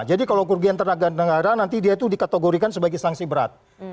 jadi kalau kerugian terhadap negara nanti dia itu dikategorikan sebagai sanksi berat